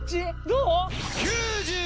どう？